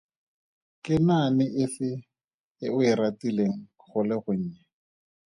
Ke naane efe e o e ratileng go le gonnye?